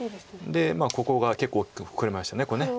でここが結構大きく膨れました。